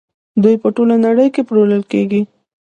دوی په ټوله نړۍ کې پلورل کیږي.